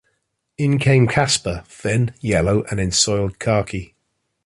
In came Casper, thin, yellow, and in soiled khaki.